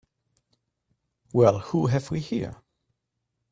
Well who have we here?